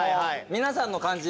皆さんの感じ。